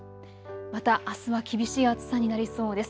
またあすは厳しい暑さになりそうです。